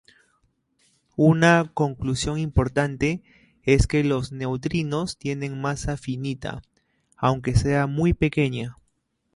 Una conclusión importante es que los neutrinos tienen masa finita, aunque sea muy pequeña.